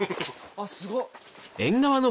あっすごっ。